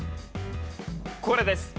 これです。